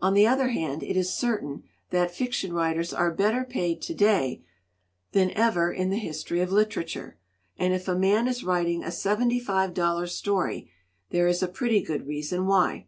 "On the other hand, it is certain that fiction writers are better paid to day than ever in the history of literature, and if a man is writing a seventy five dollar story there is a pretty good reason why.